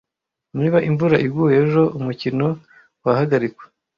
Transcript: Niba imvura iguye ejo, umukino wahagarikwa.